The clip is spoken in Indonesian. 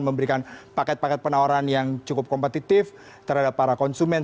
memberikan paket paket penawaran yang cukup kompetitif terhadap para konsumen